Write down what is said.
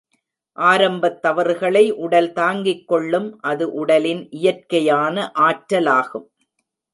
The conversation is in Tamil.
ஆரம்பத் தவறுகளை உடல் தாங்கிக் கொள்ளும் அது உடலின் இயற்கையான ஆற்றலாகும்.